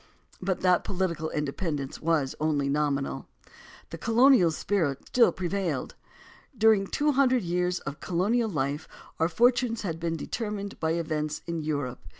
But that political independence was only nominal. The colonial spirit still prevailed. During the two hundred years of colonial life our fortunes had been determined by events in Europe.